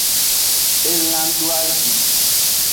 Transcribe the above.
Elan doazin.